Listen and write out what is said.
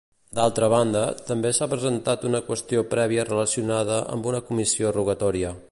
D'altra banda, també s'ha presentat una qüestió prèvia relacionada amb una comissió rogatòria.